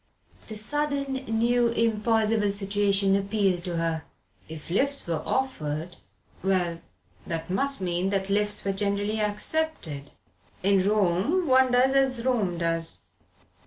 The sudden new impossible situation appealed to her. If lifts were offered well that must mean that lifts were generally accepted. In Rome one does as Rome does.